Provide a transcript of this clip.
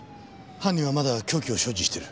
犯人はまだ凶器を所持している。